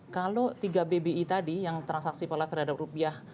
kalau tiga bbi tadi yang transaksi polas terhadap rupiah